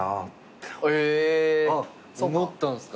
思ったんすか。